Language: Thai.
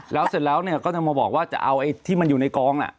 แล้วเสร็จแล้วก็จะมาบอกว่าจะเอาไอ้ที่มันอยู่ในกองน่ะ